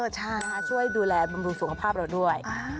ช่วยดูแลบำรุงสูงความภาพเราด้วย